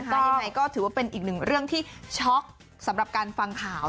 ก็ยังไงก็ถือว่าเป็นอีกหนึ่งเรื่องที่ช็อกสำหรับการฟังข่าว